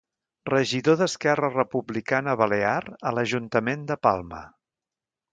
Regidor d'Esquerra Republicana Balear a l'Ajuntament de Palma.